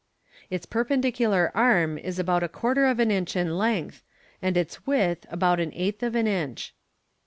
Its perpendicular arm is about a quarter of an inch in length, and its width about an eighth of an inch.